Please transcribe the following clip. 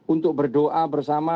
untuk berdoa bersama